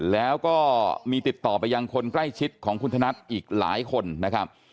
แล้วก็มีติดต่อไปยังคนใกล้ชิดของคุณธนัทอีกหลายคนนะครับ